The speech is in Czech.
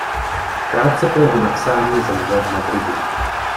Krátce po jeho napsání zemřel v Madridu.